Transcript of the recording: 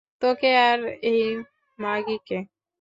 তোকে আর এই মাগীকে!